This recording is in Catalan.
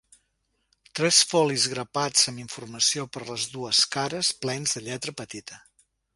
Tres folis grapats amb informació per les dues cares, plens de lletra petita.